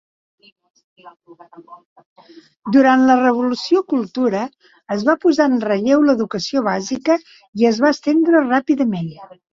Durant la Revolució Cultura, es va posar en relleu l'educació bàsica i es va estendre ràpidament.